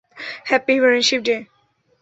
Happy friendship day.